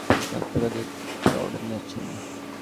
বান্ধবী মালা খবর দেন, তিনি দেড় লাখ টাকা দিয়ে জর্ডানে যাচ্ছেন।